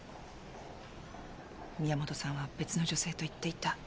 宮本さんは別の女性と行っていた。